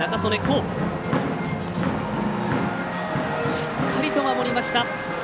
しっかりと守りました。